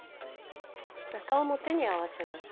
中表に合わせます。